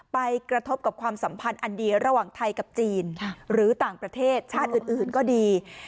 ไปกระทบกับความสัมพันธ์อันเดียวระหว่างไทยกับจีนหรือต่างประเทศชาติอื่นก็ดี